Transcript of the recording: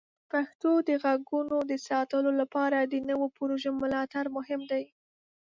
د پښتو د غږونو د ساتلو لپاره د نوو پروژو ملاتړ مهم دی.